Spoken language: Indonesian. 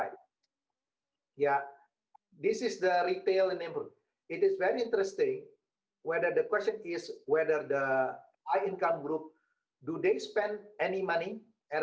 tapi saya akan mengatakan lagi dari bustano bahwa mungkin penyelamatannya di jakarta